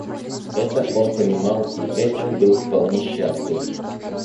Это он понимал и этим был вполне счастлив.